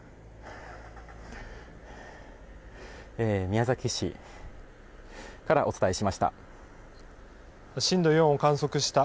宮崎市からお伝えしました。